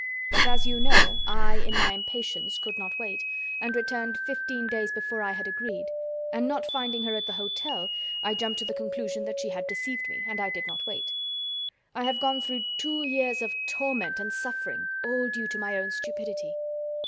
But, as you know, I, in my impatience could not wait, and returned fifteen days before I had agreed, and not finding her at the hotel I jumped to the conclusion that she had deceived me, and I did not wait. I have gone through two years of torment and suffering, all due to my own stupidity."